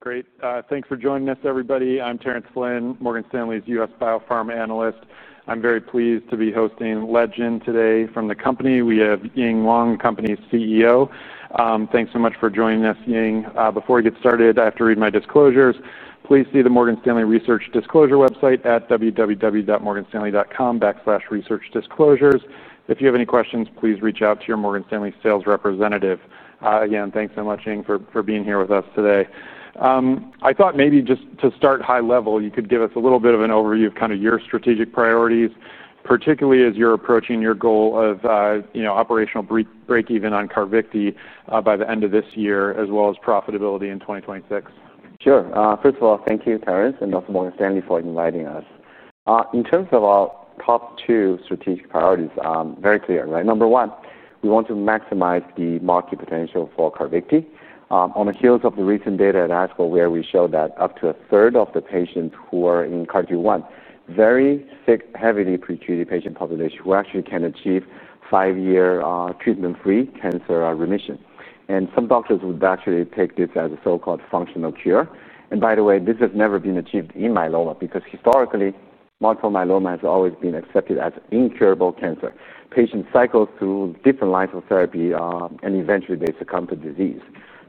Great. Thanks for joining us, everybody. I'm Terence Flynn, Morgan Stanley's U.S. Biopharma analyst. I'm very pleased to be hosting Legend Biotech today from the company. We have Ying Huang, the company's CEO. Thanks so much for joining us, Ying. Before we get started, I have to read my disclosures. Please see the Morgan Stanley Research disclosure website at www.morganstanley.com/researchdisclosures. If you have any questions, please reach out to your Morgan Stanley sales representative. Again, thanks so much, Ying, for being here with us today. I thought maybe just to start high level, you could give us a little bit of an overview of kind of your strategic priorities, particularly as you're approaching your goal of, you know, operational breakeven on CARVYKTI by the end of this year, as well as profitability in 2026. Sure. First of all, thank you, Terence, and also Morgan Stanley for inviting us. In terms of our top two strategic priorities, very clear, right? Number one, we want to maximize the market potential for CARVYKTI. On the heels of the recent data at ASCO, where we showed that up to a third of the patients who are in CARTITUDE-1, very sick, heavily pretreated patient population who actually can achieve five-year treatment-free cancer remission. Some doctors would actually take this as a so-called functional cure. By the way, this has never been achieved in myeloma because historically, multiple myeloma has always been accepted as incurable cancer. Patients cycle through different lines of therapy and eventually they succumb to disease.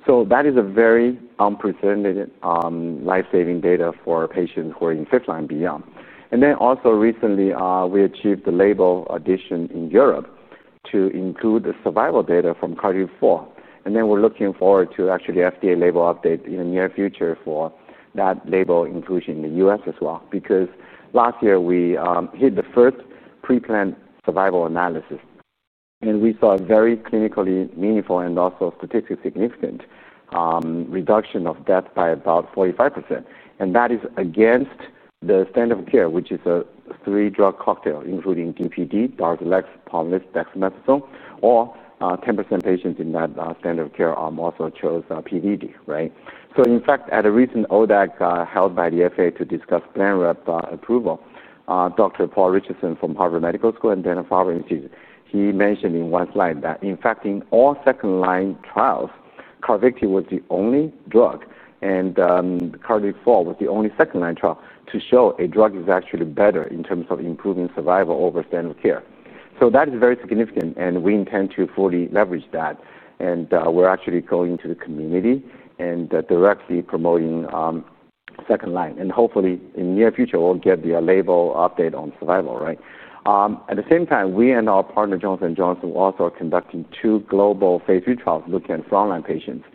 That is a very unprecedented, life-saving data for patients who are in fifth line beyond. Also, recently, we achieved the label addition in Europe to include the survival data from CARTITUDE-4. We're looking forward to actually the FDA label update in the near future for that label inclusion in the U.S. as well because last year we hit the first pre-planned survival analysis. We saw a very clinically meaningful and also statistically significant reduction of death by about 45%. That is against the standard of care, which is a three-drug cocktail, including DPd, Darzalex, Pomalyst, dexamethasone. All 10% patients in that standard of care also chose PVd, right? In fact, at a recent ODAC held by the FDA to discuss planned rep approval, Dr. Paul Richardson from Harvard Medical School and Dana-Farber Institute, he mentioned in one slide that in fact, in all second-line trials, CARVYKTI was the only drug and CARTITUDE-4 was the only second-line trial to show a drug is actually better in terms of improving survival over standard of care. That is very significant. We intend to fully leverage that. We're actually going to the community and directly promoting second line. Hopefully, in the near future, we'll get the label update on survival, right? At the same time, we and Johnson & Johnson are also conducting two global phase 3 trials looking at frontline patients.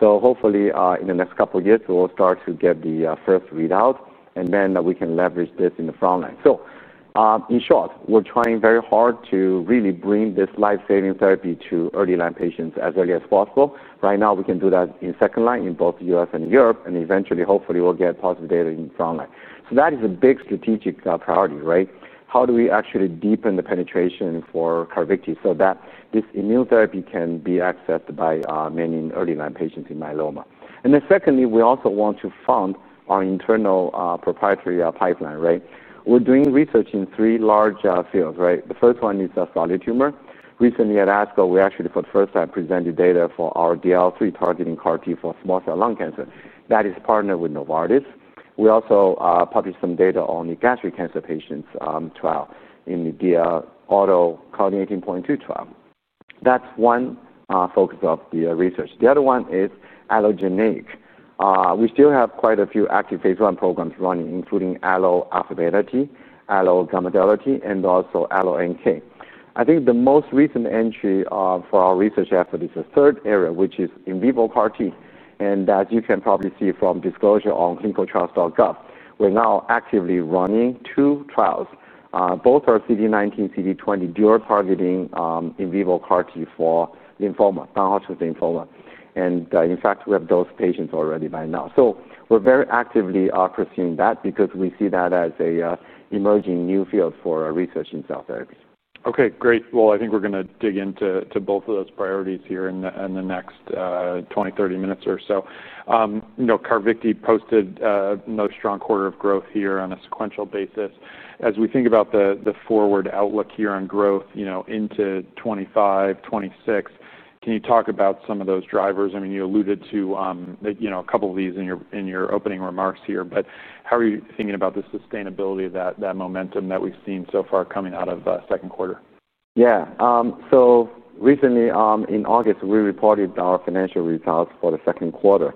Hopefully, in the next couple of years, we'll start to get the first readout and then we can leverage this in the frontline. In short, we're trying very hard to really bring this life-saving therapy to early-line patients as early as possible. Right now, we can do that in second line in both the U.S. and Europe. Eventually, hopefully, we'll get positive data in the frontline. That is a big strategic priority, right? How do we actually deepen the penetration for CARVYKTI so that this immunotherapy can be accessed by many early-line patients in myeloma? Secondly, we also want to fund our internal proprietary pipeline, right? We're doing research in three large fields, right? The first one is a solid tumor. Recently at ASCO, we actually for the first time presented data for our DLL3 targeting CAR-T for small cell lung cancer. That is partnered with Novartis. We also published some data on the gastric cancer patients trial in the AUTO CAR18.2 trial. That's one focus of the research. The other one is allogeneic. We still have quite a few active phase 1 programs running, including allo alpha delete, allo gamma delete, and also alloNK. I think the most recent entry for our research effort is the third area, which is in vivo CAR-T. As you can probably see from disclosure on clinicaltrials.gov, we're now actively running two trials. Both are CD19/CD20 dual targeting in vivo CAR-T for lymphoma, non-Hodgkin's lymphoma. In fact, we have those patients already by now. We're very actively pursuing that because we see that as an emerging new field for research in cell therapies. Okay, great. I think we're going to dig into both of those priorities here in the next 20, 30 minutes or so. You know, CARVYKTI posted a most strong quarter of growth here on a sequential basis. As we think about the forward outlook here on growth, you know, into 2025, 2026, can you talk about some of those drivers? I mean, you alluded to, you know, a couple of these in your opening remarks here, but how are you thinking about the sustainability of that momentum that we've seen so far coming out of the second quarter? Yeah. Recently in August, we reported our financial results for the second quarter.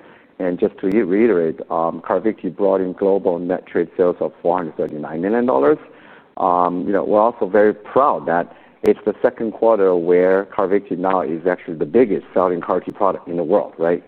Just to reiterate, CARVYKTI brought in global net trade sales of $439 million. We're also very proud that it's the second quarter where CARVYKTI now is actually the biggest selling CAR-T product in the world, right?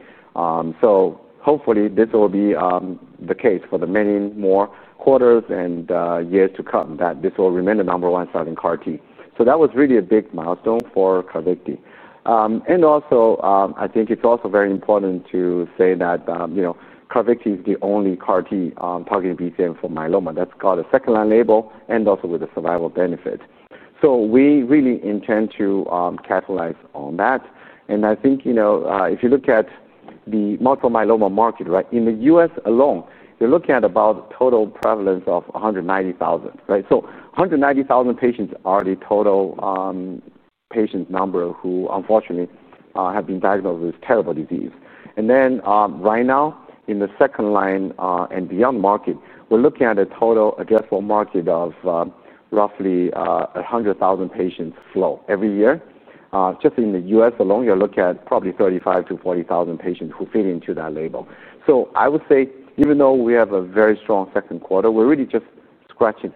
Hopefully, this will be the case for many more quarters and years to come that this will remain the number one selling CAR-T. That was really a big milestone for CARVYKTI. I think it's also very important to say that CARVYKTI is the only CAR-T targeted BCMA for myeloma that's got a second-line label and also with a survival benefit. We really intend to capitalize on that. If you look at the multiple myeloma market, right, in the U.S. alone, you're looking at about a total prevalence of 190,000, right? So 190,000 patients are the total patient number who unfortunately have been diagnosed with this terrible disease. Right now, in the second line and beyond market, we're looking at a total addressable market of roughly 100,000 patients flow every year. Just in the U.S. alone, you're looking at probably 35,000 to 40,000 patients who fit into that label. I would say, even though we have a very strong second quarter, we're really just scratching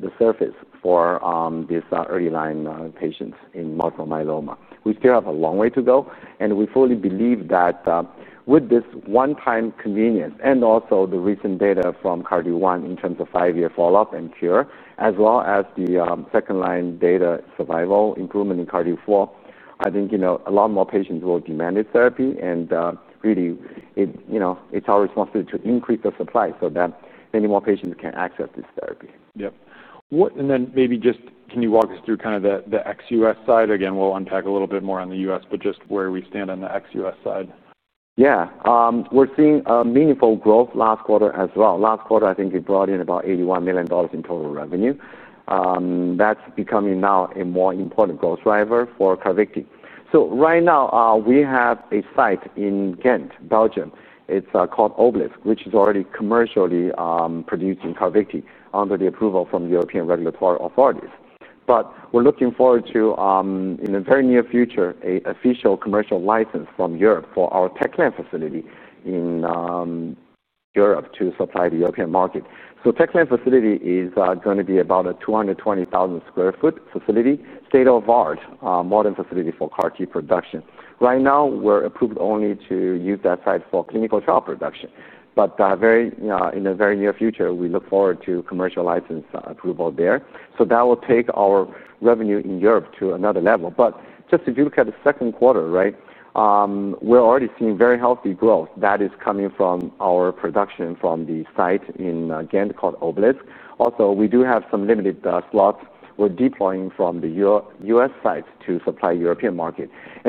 the surface for these early-line patients in multiple myeloma. We still have a long way to go. We fully believe that with this one-time convenience and also the recent data from CARTITUDE-1 in terms of five-year follow-up and cure, as well as the second-line data survival improvement in CARTITUDE-4, a lot more patients will demand this therapy. It's our responsibility to increase the supply so that many more patients can access this therapy. What? Can you walk us through kind of the ex-US side? We'll unpack a little bit more on the US, but just where we stand on the ex-US side. Yeah. We're seeing meaningful growth last quarter as well. Last quarter, I think we brought in about $81 million in total revenue. That's becoming now a more important growth driver for CARVYKTI. Right now, we have a site in Ghent, Belgium. It's called Obelisk, which is already commercially producing CARVYKTI under the approval from European regulatory authorities. We're looking forward to, in the very near future, an official commercial license from Europe for our Techland facility in Europe to supply the European market. The Techland facility is going to be about a 220,000 square foot facility, state-of-the-art modern facility for CAR-T production. Right now, we're approved only to use that site for clinical trial production. In the very near future, we look forward to commercial license approval there. That will take our revenue in Europe to another level. Just to look at the second quarter, we're already seeing very healthy growth that is coming from our production from the site in Ghent called Obelisk. We do have some limited slots. We're deploying from the U.S. sites to supply the European market.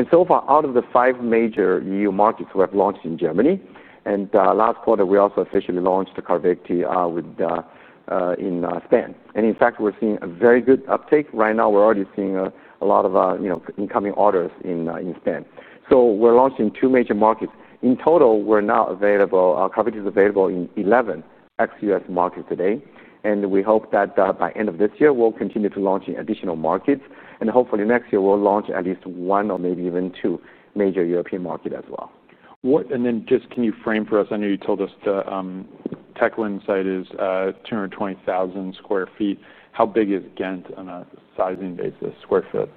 So far, out of the five major EU markets, we have launched in Germany. Last quarter, we also officially launched CARVYKTI in Spain. In fact, we're seeing a very good uptake. Right now, we're already seeing a lot of incoming orders in Spain. We're launching two major markets. In total, we're now available. CARVYKTI is available in 11 ex-U.S. markets today. We hope that by the end of this year, we'll continue to launch in additional markets. Hopefully, next year, we'll launch at least one or maybe even two major European markets as well. Can you frame for us? I know you told us the Techland site is 220,000 square feet. How big is Ghent on a sizing basis, square foot?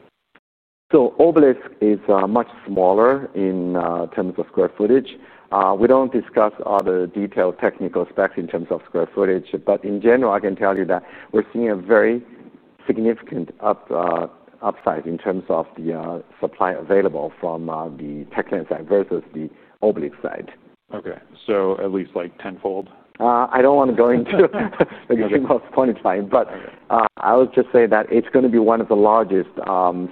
Obelisk is much smaller in terms of square footage. We don't discuss other detailed technical specs in terms of square footage. In general, I can tell you that we're seeing a very significant upside in terms of the supply available from the Techland site versus the Obelisk site. Okay, at least like tenfold? I don't want to go into the most pointy line, but I would just say that it's going to be one of the largest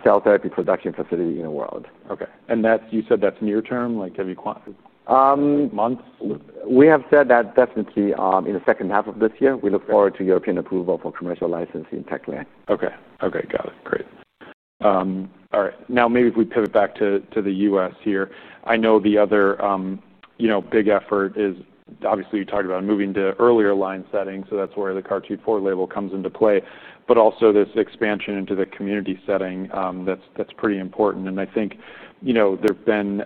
cell therapy production facilities in the world. Okay, you said that's near term, like heavy months? We have said that definitely in the second half of this year, we look forward to European approval for commercial licensing Techland. Okay. Okay. Got it. Great. All right. Now maybe if we pivot back to the U.S. here, I know the other big effort is obviously you talked about moving to earlier line setting. That's where the CAR-T4 label comes into play, but also this expansion into the community oncology setting, that's pretty important. I think there have been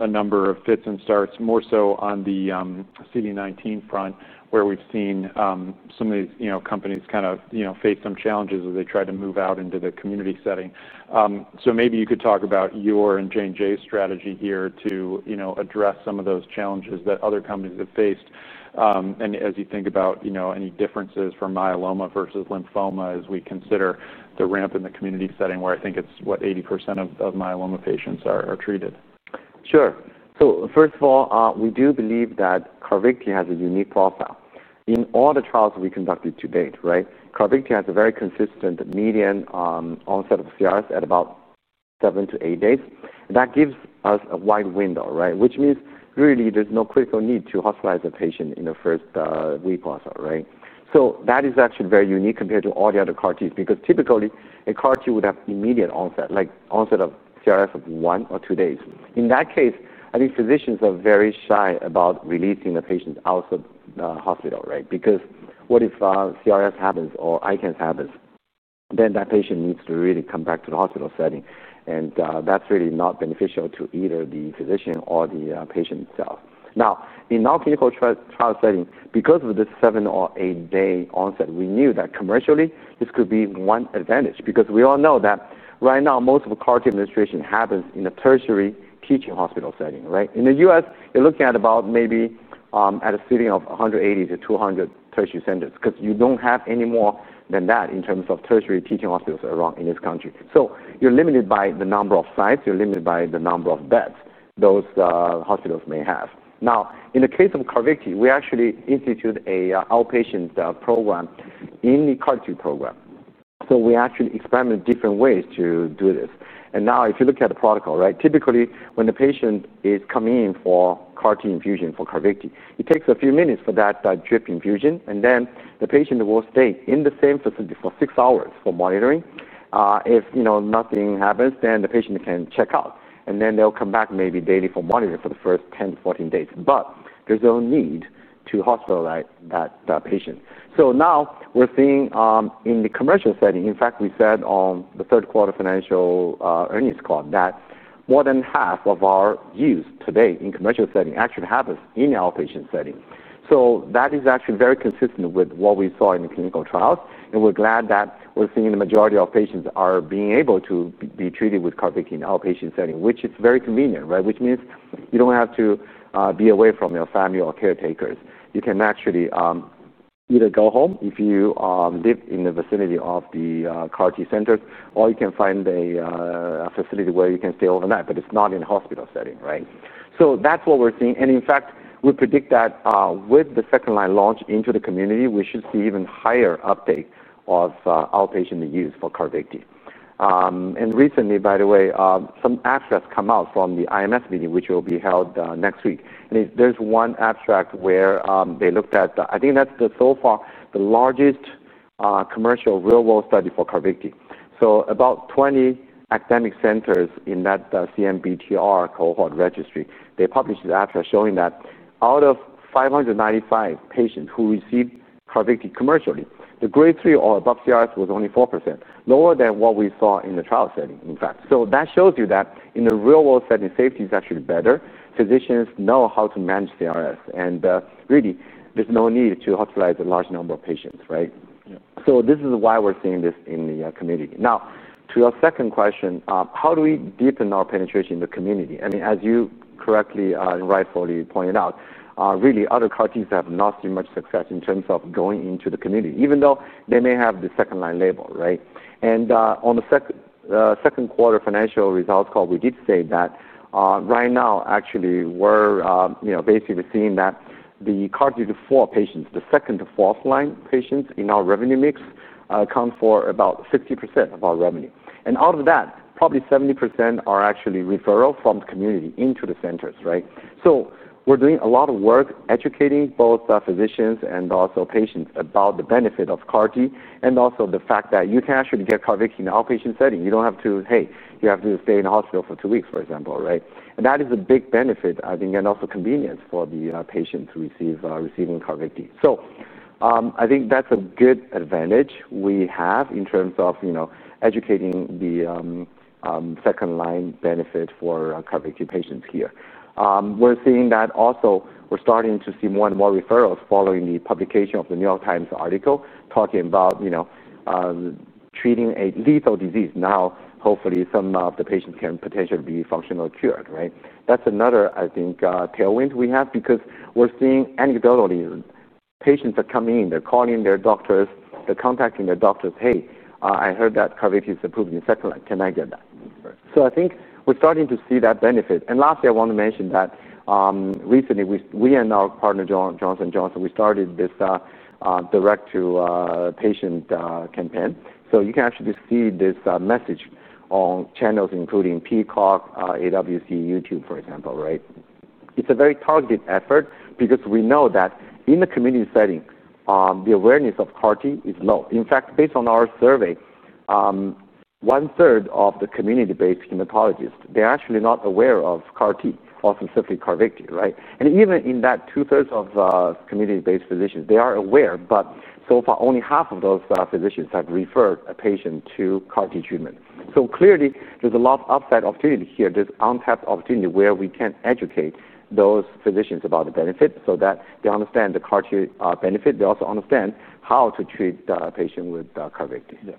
a number of fits and starts, more so on the CD19 front, where we've seen some of these companies kind of face some challenges as they try to move out into the community oncology setting. Maybe you could talk about your and Johnson & Johnson's strategy here to address some of those challenges that other companies have faced. As you think about any differences for myeloma versus lymphoma as we consider the ramp in the community oncology setting, where I think it's what, 80% of myeloma patients are treated. Sure. First of all, we do believe that CARVYKTI has a unique profile. In all the trials we conducted to date, CARVYKTI has a very consistent median onset of CRS at about seven to eight days. That gives us a wide window, which means really there's no critical need to hospitalize a patient in the first week or so. That is actually very unique compared to all the other CAR-Ts because typically a CAR-T would have immediate onset, like onset of CRS of one or two days. In that case, I think physicians are very shy about releasing the patient out of the hospital because what if CRS happens or ICANS happens? Then that patient needs to really come back to the hospital setting. That's really not beneficial to either the physician or the patient itself. In our clinical trial setting, because of this seven or eight-day onset, we knew that commercially, this could be one advantage because we all know that right now, most of the CAR-T administration happens in a tertiary teaching hospital setting. In the U.S., you're looking at about maybe at a setting of 180 to 200 tertiary centers because you don't have any more than that in terms of tertiary teaching hospitals around in this country. You're limited by the number of sites. You're limited by the number of beds those hospitals may have. In the case of CARVYKTI, we actually institute an outpatient program in the CAR-T program. We actually experiment different ways to do this. If you look at the protocol, typically when the patient is coming in for CAR-T infusion for CARVYKTI, it takes a few minutes for that drip infusion. Then the patient will stay in the same facility for six hours for monitoring. If nothing happens, then the patient can check out. They'll come back maybe daily for monitoring for the first 10 to 14 days. There's no need to hospitalize that patient. Now we're seeing in the commercial setting, in fact, we said on the third quarter financial earnings call that more than half of our use today in commercial setting actually happens in the outpatient setting. That is actually very consistent with what we saw in the clinical trials. We're glad that we're seeing the majority of patients are being able to be treated with CARVYKTI in the outpatient setting, which is very convenient, which means you don't have to be away from your family or caretakers. You can actually either go home if you live in the vicinity of the CAR-T center, or you can find a facility where you can stay overnight, but it's not in a hospital setting, right? That's what we're seeing. In fact, we predict that with the second-line launch into the community, we should see even higher uptake of outpatient use for CARVYKTI. Recently, by the way, some abstracts came out from the IMS meeting, which will be held next week. There's one abstract where they looked at, I think that's so far the largest commercial real-world study for CARVYKTI. About 20 academic centers in that CIBMTR cohort registry published the abstract showing that out of 595 patients who received CARVYKTI commercially, the grade 3 or above CRS was only 4%, lower than what we saw in the trial setting, in fact. That shows you that in the real-world setting, safety is actually better. Physicians know how to manage CRS. There's no need to hospitalize a large number of patients, right? This is why we're seeing this in the community. Now, to your second question, how do we deepen our penetration in the community? I mean, as you correctly and rightfully pointed out, really, other CAR-Ts have not seen much success in terms of going into the community, even though they may have the second-line label, right? On the second quarter financial results call, we did say that right now, actually, we're basically seeing that the CAR-T4 patients, the second to fourth line patients in our revenue mix, account for about 60% of our revenue. Out of that, probably 70% are actually referrals from the community into the centers, right? We're doing a lot of work educating both physicians and also patients about the benefit of CAR-T and also the fact that you can actually get CARVYKTI in the outpatient setting. You don't have to, hey, you have to stay in the hospital for two weeks, for example, right? That is a big benefit, I think, and also convenience for the patients receiving CARVYKTI. I think that's a good advantage we have in terms of, you know, educating the second-line benefit for CARVYKTI patients here. We're seeing that also we're starting to see more and more referrals following the publication of the New York Times article talking about, you know, treating a lethal disease. Hopefully, some of the patients can potentially be functionally cured, right? That's another, I think, tailwind we have because we're seeing anecdotally patients are coming in. They're calling their doctors. They're contacting their doctors, hey, I heard that CARVYKTI is approved in second line. Can I get that? I think we're starting to see that benefit. Lastly, I want to mention that recently, we and our partner, Johnson & Johnson, started this direct-to-patient campaign. You can actually see this message on channels including Peacock, AWC, YouTube, for example, right? It's a very targeted effort because we know that in the community oncology setting, the awareness of CAR-T is low. In fact, based on our survey, one-third of the community-based hematologists are actually not aware of CAR-T or specifically CARVYKTI, right? Even in that two-thirds of community-based physicians, they are aware, but so far, only half of those physicians have referred a patient to CAR-T treatment. Clearly, there's a lot of upside opportunity here. There's untapped opportunity where we can educate those physicians about the benefit so that they understand the CAR-T benefit. They also understand how to treat a patient with CARVYKTI.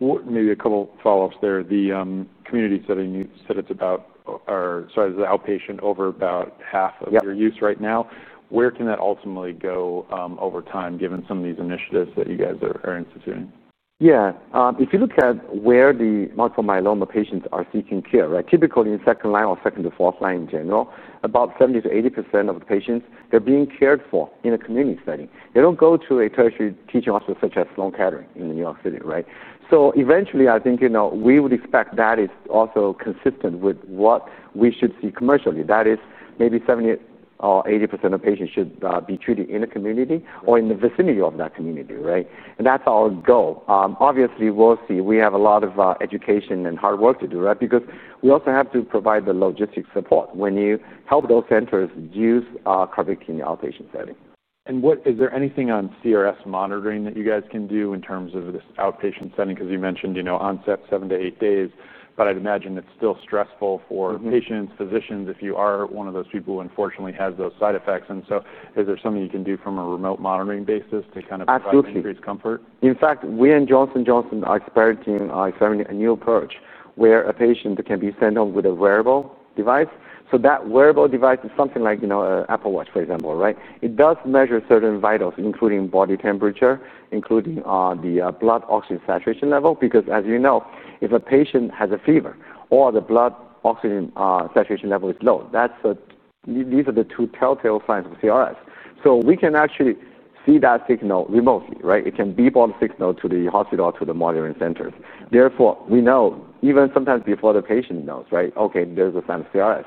Maybe a couple of follow-ups there. The community setting, you said it's about, or sorry, the outpatient over about half of your use right now. Where can that ultimately go over time, given some of these initiatives that you guys are instituting? Yeah. If you look at where the multiple myeloma patients are seeking care, right, typically in second line or second to fourth line in general, about 70 to 80% of the patients, they're being cared for in a community setting. They don't go to a tertiary teaching hospital such as Sloan Kettering in New York City, right? Eventually, I think, you know, we would expect that is also consistent with what we should see commercially. That is maybe 70 or 80% of patients should be treated in a community or in the vicinity of that community, right? That's our goal. Obviously, we'll see. We have a lot of education and hard work to do, right, because we also have to provide the logistic support when you help those centers use CARVYKTI in the outpatient setting. Is there anything on CRS monitoring that you guys can do in terms of this outpatient setting? You mentioned onset seven to eight days, but I'd imagine it's still stressful for patients and physicians if you are one of those people who unfortunately has those side effects. Is there something you can do from a remote monitoring basis to try to increase comfort? Absolutely. In fact, we in Johnson & Johnson are experimenting on a new approach where a patient can be sent home with a wearable device. That wearable device is something like, you know, an Apple Watch, for example, right? It does measure certain vitals, including body temperature, including the blood oxygen saturation level, because as you know, if a patient has a fever or the blood oxygen saturation level is low, those are the two telltale signs of CRS. We can actually see that signal remotely, right? It can beep on the signal to the hospital or to the monitoring centers. Therefore, we know even sometimes before the patient knows, right, okay, there's a sign of CRS.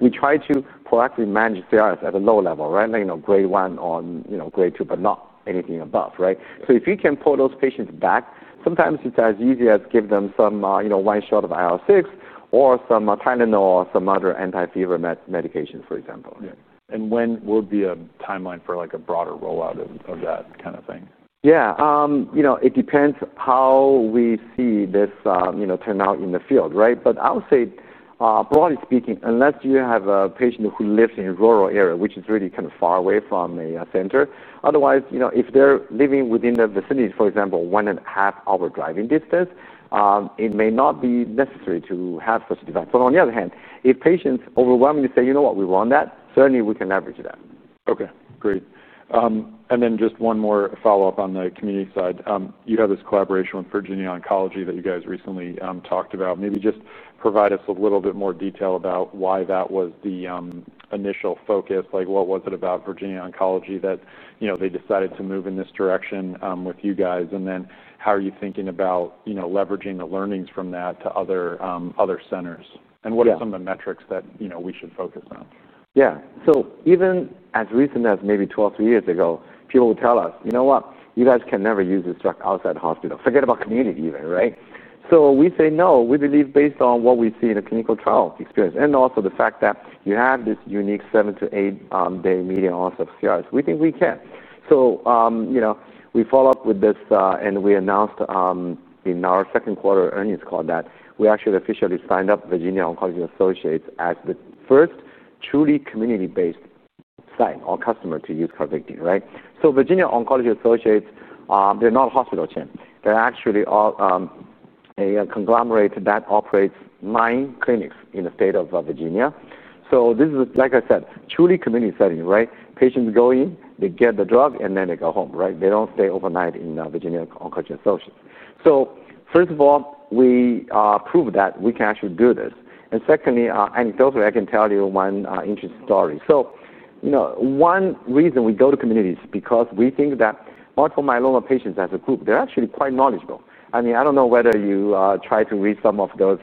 We try to proactively manage CRS at a low level, right? Like, you know, grade one or, you know, grade two, but not anything above, right? If you can pull those patients back, sometimes it's as easy as give them some, you know, one shot of IR6 or some Tylenol or some other anti-fever medications, for example. When will be a timeline for like a broader rollout of that kind of thing? It depends how we see this turn out in the field, right? I would say, broadly speaking, unless you have a patient who lives in a rural area, which is really kind of far away from a center, otherwise, if they're living within the vicinity, for example, one and a half hour driving distance, it may not be necessary to have such a device. On the other hand, if patients overwhelmingly say, you know what, we want that, certainly we can leverage that. Okay. Great. And then just one more follow-up on the community side. You have this collaboration with Virginia Oncology Associates that you guys recently talked about. Maybe just provide us a little bit more detail about why that was the initial focus. Like, what was it about Virginia Oncology Associates that, you know, they decided to move in this direction with you guys? Then how are you thinking about, you know, leveraging the learnings from that to other centers? What are some of the metrics that, you know, we should focus on? Yeah. Even as recent as maybe 12 years ago, people would tell us, you know what, you guys can never use this drug outside the hospital. Forget about community even, right? We say no. We believe based on what we see in the clinical trial experience and also the fact that you have this unique seven to eight-day median onset of CRS, we think we can. We follow up with this and we announced in our second quarter earnings call that we actually officially signed up Virginia Oncology Associates as the first truly community-based site or customer to use CARVYKTI, right? Virginia Oncology Associates, they're not a hospital chain. They're actually a conglomerate that operates nine clinics in the state of Virginia. This is, like I said, truly community setting, right? Patients go in, they get the drug, and then they go home, right? They don't stay overnight in Virginia Oncology Associates. First of all, we proved that we can actually do this. Secondly, anecdotally, I can tell you one interesting story. One reason we go to communities is because we think that multiple myeloma patients as a group, they're actually quite knowledgeable. I mean, I don't know whether you try to read some of those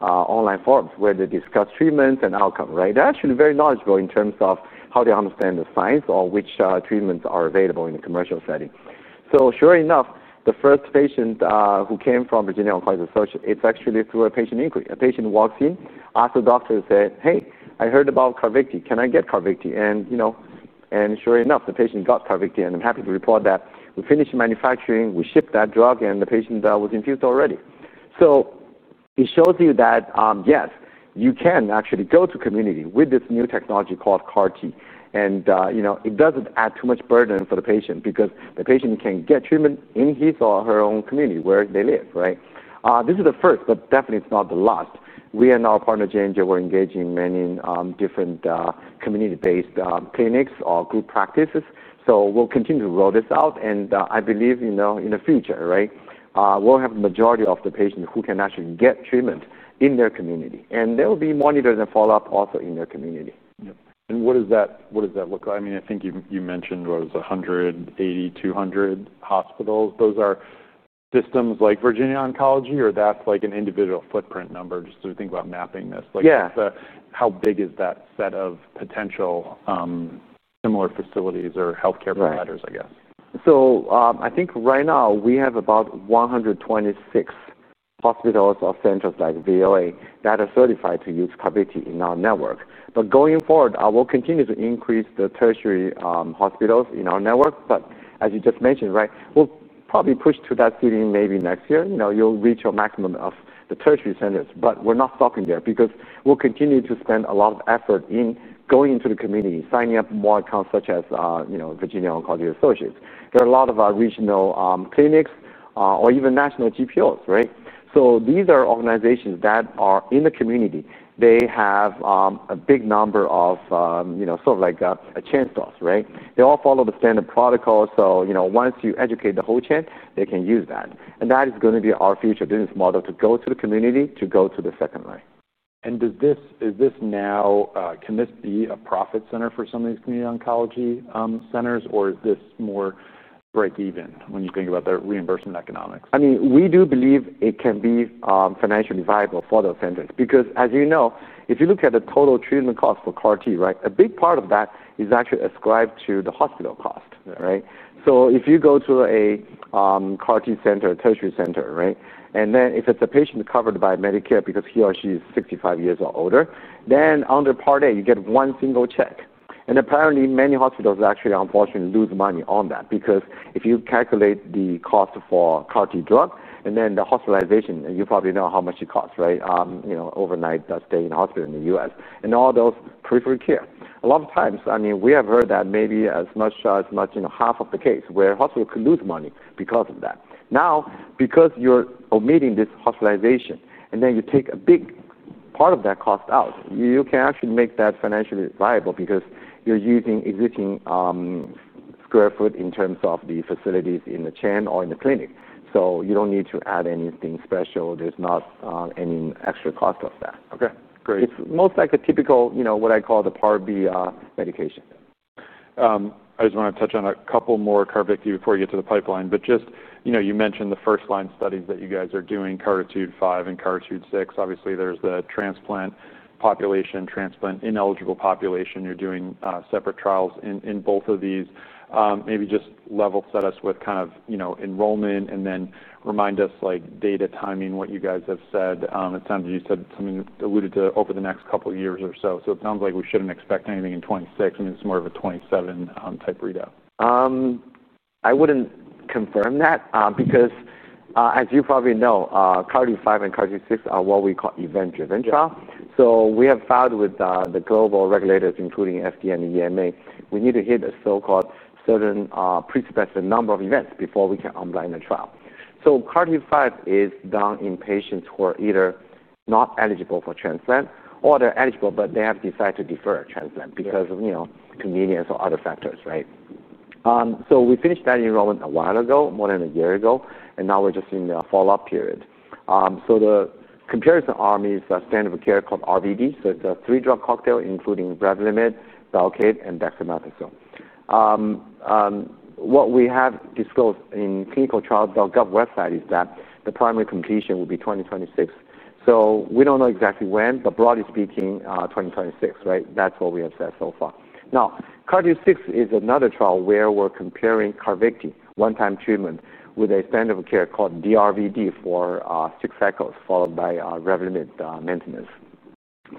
online forums where they discuss treatments and outcomes, right? They're actually very knowledgeable in terms of how they understand the science or which treatments are available in the commercial setting. Sure enough, the first patient who came from Virginia Oncology Associates, it's actually through a patient inquiry. A patient walks in, asked the doctor, said, hey, I heard about CARVYKTI. Can I get CARVYKTI? Sure enough, the patient got CARVYKTI. I'm happy to report that we finished manufacturing. We shipped that drug, and the patient was infused already. It shows you that, yes, you can actually go to community with this new technology called CAR-T. It doesn't add too much burden for the patient because the patient can get treatment in his or her own community where they live, right? This is the first, but definitely it's not the last. We and our partner, Johnson & Johnson, we're engaging many different community-based clinics or group practices. We'll continue to roll this out. I believe, in the future, we'll have the majority of the patients who can actually get treatment in their community. There will be monitors and follow-up also in their community. What does that look like? I think you mentioned what was 180, 200 hospitals. Those are systems like Virginia Oncology, or that's like an individual footprint number just to think about mapping this. How big is that set of potential similar facilities or healthcare providers, I guess? I think right now we have about 126 hospitals or centers like Virginia Oncology Associates that are certified to use CARVYKTI in our network. Going forward, I will continue to increase the tertiary hospitals in our network. As you just mentioned, we'll probably push to that city maybe next year. You'll reach your maximum of the tertiary centers. We're not stopping there because we'll continue to spend a lot of effort in going into the community, signing up more accounts such as, you know, Virginia Oncology Associates. There are a lot of regional clinics or even national GPOs, right? These are organizations that are in the community. They have a big number of, you know, sort of like chain stores, right? They all follow the standard protocol. Once you educate the whole chain, they can use that. That is going to be our future business model to go to the community, to go to the second line. Is this now, can this be a profit center for some of these community oncology centers, or is this more break even when you think about the reimbursement economics? I mean, we do believe it can be financially viable for those centers because, as you know, if you look at the total treatment cost for CAR-T, a big part of that is actually ascribed to the hospital cost, right? If you go to a CAR-T center, a tertiary center, and if it's a patient covered by Medicare because he or she is 65 years or older, then under Part A, you get one single check. Apparently, many hospitals actually, unfortunately, lose money on that because if you calculate the cost for CAR-T drug and then the hospitalization, you probably know how much it costs, overnight, that stay in the hospital in the U.S., and all those periphery care. A lot of times, we have heard that maybe as much as half of the cases where hospitals can lose money because of that. Now, because you're omitting this hospitalization and you take a big part of that cost out, you can actually make that financially viable because you're using existing square foot in terms of the facilities in the chain or in the clinic. You don't need to add anything special. There's not any extra cost of that. Okay. Great. It's most like a typical, you know, what I call the Part B medication. I just want to touch on a couple more CARVYKTI before we get to the pipeline. You mentioned the first-line studies that you guys are doing, CARTITUDE-5 and CARTITUDE-6. Obviously, there's the transplant population, transplant ineligible population. You're doing separate trials in both of these. Maybe just level set us with kind of enrollment and then remind us like data timing, what you guys have said. It sounds like you said something alluded to over the next couple of years or so. It sounds like we shouldn't expect anything in 2026. I mean, it's more of a 2027 type readout. I wouldn't confirm that because, as you probably know, CARTITUDE-5 and CARTITUDE-6 are what we call event-driven trials. We have filed with the global regulators, including FDA and EMA. We need to hit a so-called certain prespecified number of events before we can unblind the trial. CARTITUDE-5 is done in patients who are either not eligible for transplant or they're eligible, but they have decided to defer transplant because of, you know, convenience or other factors, right? We finished that enrollment a while ago, more than a year ago, and now we're just in the follow-up period. The comparison arm is a standard of care called RVD. It's a three-drug cocktail, including Revlimid, Velcade, and dexamethasone. What we have disclosed in the clinicaltrials.gov website is that the primary completion will be 2026. We don't know exactly when, but broadly speaking, 2026, right? That's what we have said so far. Now, CARTITUDE-6 is another trial where we're comparing CARVYKTI one-time treatment with a standard of care called DRVD for six cycles followed by Revlimid maintenance.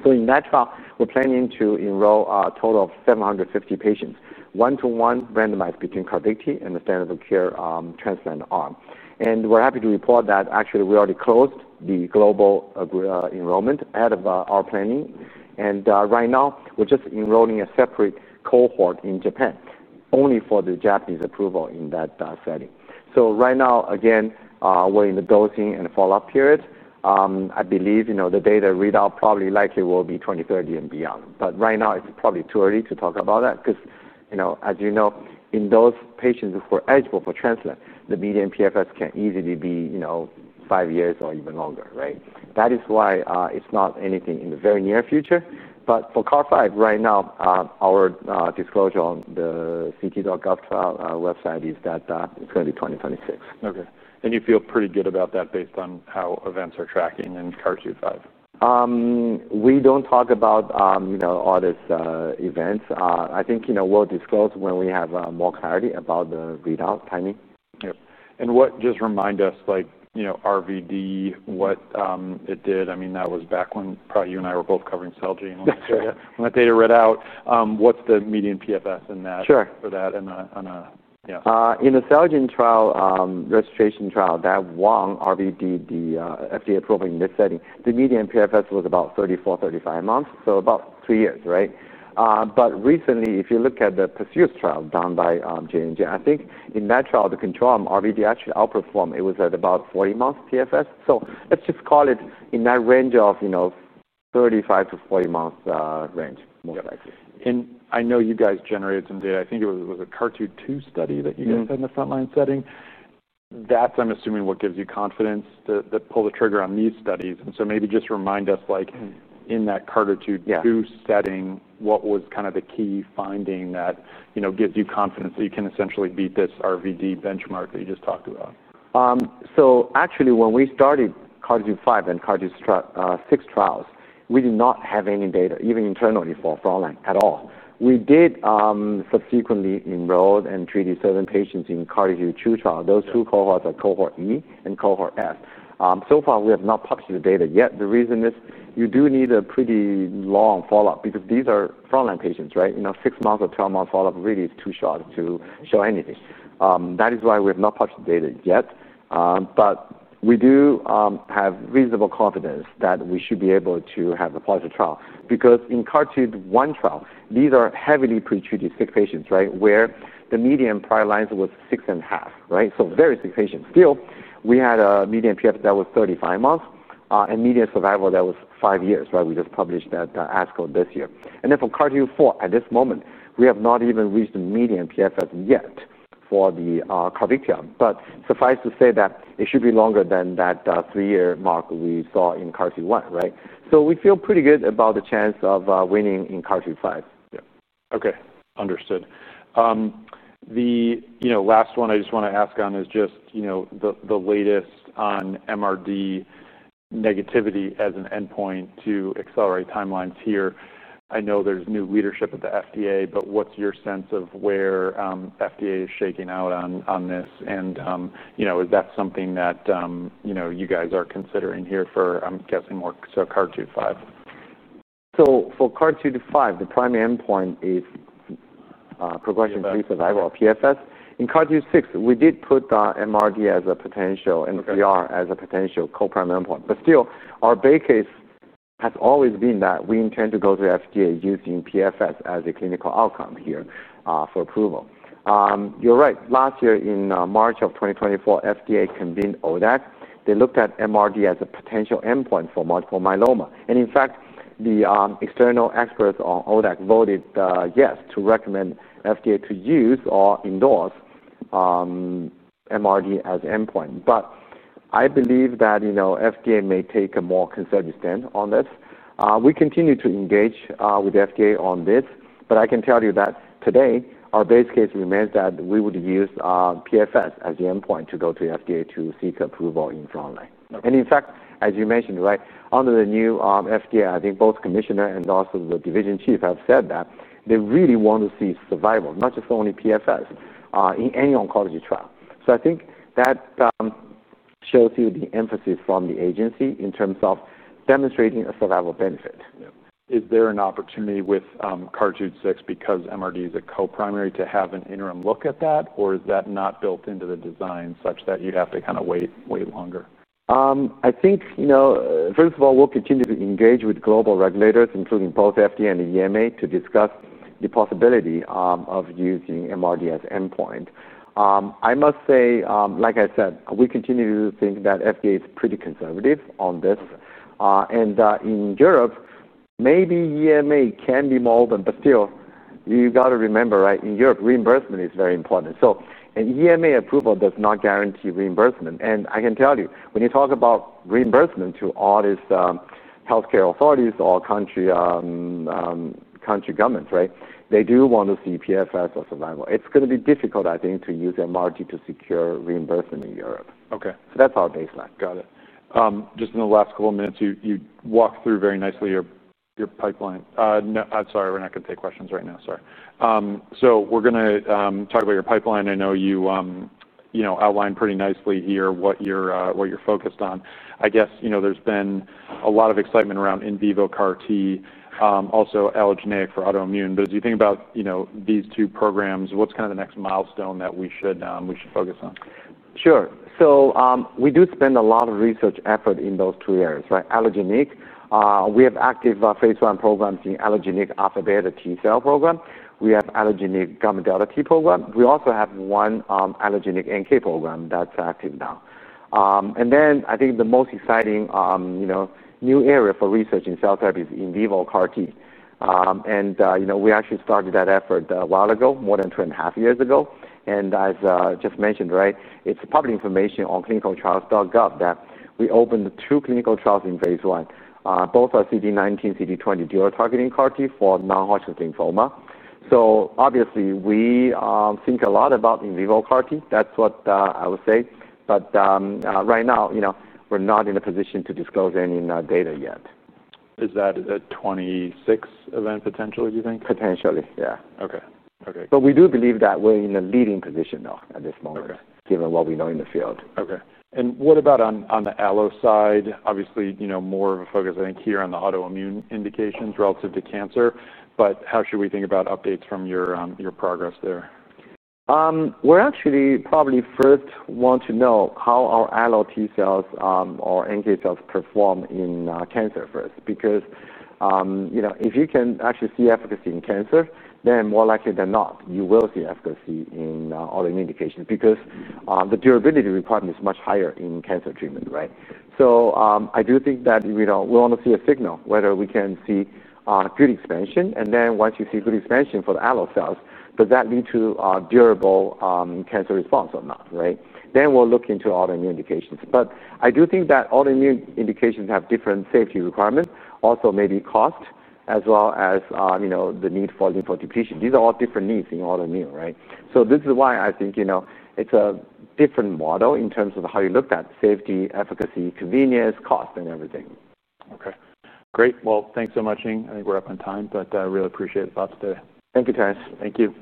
In that trial, we're planning to enroll a total of 750 patients, one-to-one randomized between CARVYKTI and the standard of care transplant arm. We're happy to report that actually we already closed the global enrollment out of our planning, and right now, we're just enrolling a separate cohort in Japan only for the Japanese approval in that setting. Right now, again, we're in the dosing and follow-up period. I believe, you know, the data readout probably likely will be 2030 and beyond. Right now, it's probably too early to talk about that because, you know, as you know, in those patients who are eligible for transplant, the median PFS can easily be, you know, five years or even longer, right? That is why it's not anything in the very near future. For CARTITUDE-5 right now, our disclosure on the clinicaltrials.gov website is that it's going to be 2026. Okay. You feel pretty good about that based on how events are tracking in CARTITUDE-5? We don't talk about all these events. I think we'll disclose when we have more clarity about the readout timing. Yeah, just remind us, like, you know, RVD, what it did. I mean, that was back when probably you and I were both covering Celgene. When the data read out, what's the median PFS in that for that? Sure. In the Celgene trial, registration trial that won RVD, the FDA approving in this setting, the median PFS was about 34, 35 months. About three years, right? Recently, if you look at the PERSUSE trial done by Jane Jay, I think in that trial, the control on RVD actually outperformed. It was at about 40 months PFS. Let's just call it in that range of 35 to 40 months range, most likely. I know you guys generated some data. I think it was a CARTITUDE-2 study that you guys did in the frontline setting. That's, I'm assuming, what gives you confidence to pull the trigger on these studies. Maybe just remind us, in that CARTITUDE-2 setting, what was kind of the key finding that gives you confidence that you can essentially beat this RVD benchmark that you just talked about? Actually, when we started CARTITUDE-5 and CARTITUDE-6 trials, we did not have any data, even internally for frontline at all. We did subsequently enroll and treated seven patients in CARTITUDE-2 trial. Those two cohorts are Cohort E and Cohort F. We have not published the data yet. The reason is you do need a pretty long follow-up because these are frontline patients, right? Six months or 12 months follow-up really is too short to show anything. That is why we have not published the data yet. We do have reasonable confidence that we should be able to have a positive trial because in CARTITUDE-1 trial, these are heavily pretreated sick patients, right, where the median prior lines was six and a half, right? Very sick patients. Still, we had a median progression-free survival that was 35 months and median survival that was five years, right? We just published that at ASCO this year. For CARTITUDE-4, at this moment, we have not even reached the median progression-free survival yet for CARVYKTI. Suffice to say that it should be longer than that three-year mark we saw in CARTITUDE-1, right? We feel pretty good about the chance of winning in CARTITUDE-5. Yeah. Okay. Understood. The last one I just want to ask on is just the latest on MRD negativity as an endpoint to accelerate timelines here. I know there's new leadership at the FDA, but what's your sense of where FDA is shaking out on this? Is that something that you guys are considering here for, I'm guessing, more so CARTITUDE-5? For CARTITUDE-5, the primary endpoint is progression-free survival or PFS. In CARTITUDE-6, we did put MRD as a potential and CR as a potential co-prime endpoint. Our base case has always been that we intend to go to the FDA using PFS as a clinical outcome here for approval. You're right. In March 2024, FDA convened ODAC. They looked at MRD as a potential endpoint for multiple myeloma. In fact, the external experts on ODAC voted yes to recommend FDA to use or endorse MRD as an endpoint. I believe that FDA may take a more conservative stand on this. We continue to engage with the FDA on this. I can tell you that today, our base case remains that we would use PFS as the endpoint to go to the FDA to seek approval in frontline. In fact, as you mentioned, under the new FDA, I think both Commissioner and also the Division Chief have said that they really want to see survival, not just only PFS, in any oncology trial. I think that shows you the emphasis from the agency in terms of demonstrating a survival benefit. Yeah. Is there an opportunity with CARTITUDE-6 because MRD is a co-primary to have an interim look at that? Or is that not built into the design such that you'd have to kind of wait, wait longer? I think, first of all, we'll continue to engage with global regulators, including both FDA and EMA, to discuss the possibility of using MRD as an endpoint. I must say, like I said, we continue to think that FDA is pretty conservative on this. In Europe, maybe EMA can be more open, but still, you've got to remember, right, in Europe, reimbursement is very important. EMA approval does not guarantee reimbursement. I can tell you, when you talk about reimbursement to all these healthcare authorities or country governments, right, they do want to see PFS or survival. It's going to be difficult, I think, to use MRD to secure reimbursement in Europe. Okay. That’s our baseline. Got it. Just in the last couple of minutes, you walked through very nicely your pipeline. I'm sorry, we're not going to take questions right now. Sorry. We're going to talk about your pipeline. I know you outlined pretty nicely here what you're focused on. I guess there's been a lot of excitement around in vivo CAR-T, also allogeneic for autoimmune. As you think about these two programs, what's kind of the next milestone that we should focus on? Sure. We do spend a lot of research effort in those two areas, right? Allogeneic, we have active phase 1 programs in allogeneic alpha beta T cell program. We have allogeneic gamma delta T program. We also have one allogeneic NK program that's active now. I think the most exciting, you know, new area for research in cell therapy is in vivo CAR-T. You know, we actually started that effort a while ago, more than two and a half years ago. As just mentioned, it's public information on clinicaltrials.gov that we opened two clinical trials in phase 1. Both are CD19/CD20 dual targeting CAR-T for non-Hodgkin’s lymphoma. Obviously, we think a lot about in vivo CAR-T. That's what I would say. Right now, you know, we're not in a position to disclose any data yet. Is that a 26 event potentially, do you think? Potentially, yeah. Okay. Okay. We do believe that we're in a leading position at this moment, given what we know in the field. Okay. What about on the allo side? Obviously, you know, more of a focus, I think, here on the autoimmune indications relative to cancer. How should we think about updates from your progress there? We actually probably first want to know how our allo T cells or NK cells perform in cancer first because, you know, if you can actually see efficacy in cancer, then more likely than not, you will see efficacy in autoimmune indications because the durability requirement is much higher in cancer treatment, right? I do think that, you know, we want to see a signal whether we can see good expansion. Once you see good expansion for the allo cells, does that lead to a durable cancer response or not, right? We will look into autoimmune indications. I do think that autoimmune indications have different safety requirements, also maybe cost, as well as, you know, the need for lympho depletion. These are all different needs in autoimmune, right? This is why I think, you know, it's a different model in terms of how you looked at safety, efficacy, convenience, cost, and everything. Great. Thank you so much, Ying. I think we're up on time, but I really appreciate the thoughts today. Thank you, Terence. Thank you.